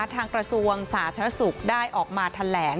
กระทรวงสาธารณสุขได้ออกมาแถลง